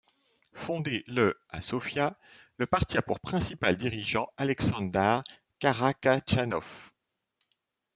Fondé le à Sofia, le parti a pour principal dirigeant Aleksandăr Karakačanov.